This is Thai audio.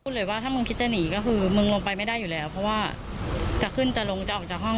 เลยว่าถ้ามึงคิดจะหนีก็คือมึงลงไปไม่ได้อยู่แล้วเพราะว่าจะขึ้นจะลงจะออกจากห้อง